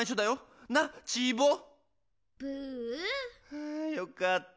ああよかった。